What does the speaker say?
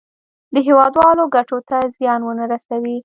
د هېوادوالو ګټو ته زیان ونه رسوي.